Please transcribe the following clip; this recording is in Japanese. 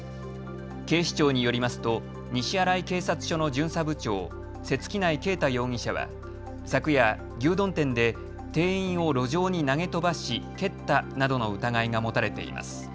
警視庁によりますと西新井警察署の巡査部長、瀬月内恵太容疑者は昨夜、牛丼店で店員を路上に投げ飛ばし蹴ったなどの疑いが持たれています。